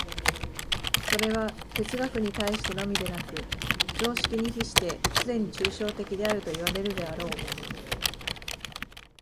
それは哲学に対してのみでなく、常識に比してすでに抽象的であるといわれるであろう。